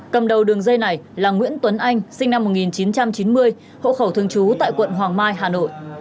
cầm đầu đường dây này là nguyễn tuấn anh sinh năm một nghìn chín trăm chín mươi hộ khẩu thương chú tại quận hoàng mai hà nội